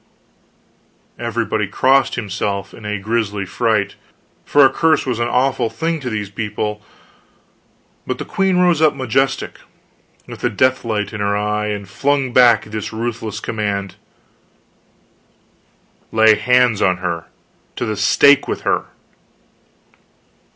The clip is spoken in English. Everybody crossed himself in a grisly fright, for a curse was an awful thing to those people; but the queen rose up majestic, with the death light in her eye, and flung back this ruthless command: "Lay hands on her! To the stake with her!"